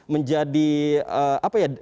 menjadi apa ya